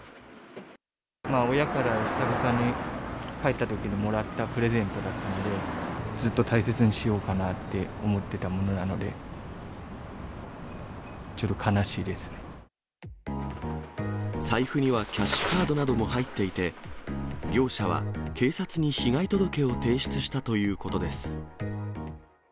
親から久々に、帰ったときにもらったプレゼントだったので、ずっと大切にしようかなって思ってたものなので、ちょっと悲しい財布にはキャッシュカードなども入っていて、業者は警察に被害届を提出したということです。